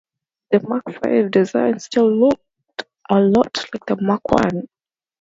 The Mark Five design still looked a lot like the Mark One.